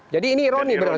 jadi ini ironi berarti